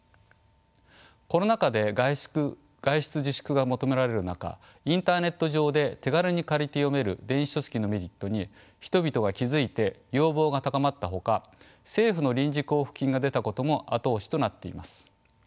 コロナ禍で外出自粛が求められる中インターネット上で手軽に借りて読める電子書籍のメリットに人々は気付いて要望が高まったほか政府の臨時交付金が出たことも後押しとなっています。